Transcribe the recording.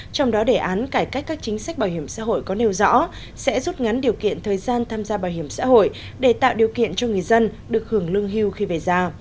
trong đó đề án cải cách các chính sách bảo hiểm xã hội có nêu rõ sẽ rút ngắn điều kiện thời gian tham gia bảo hiểm xã hội để tạo điều kiện cho người dân được hưởng lương hưu khi về già